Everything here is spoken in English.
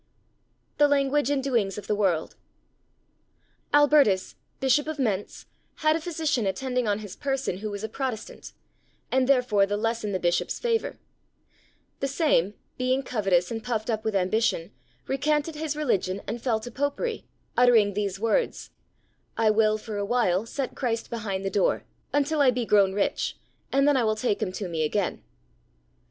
The Language and Doings of the World. Albertus, Bishop of Mentz, had a physician attending on his person who was a Protestant, and therefore the less in the Bishop's favour; the same, being covetous and puffed up with ambition, recanted his religion and fell to Popery, uttering these words: "I will, for awhile, set Christ behind the door, until I be grown rich, and then I will take him to me again."